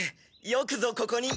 よくぞここに。